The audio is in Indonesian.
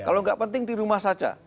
kalau nggak penting di rumah saja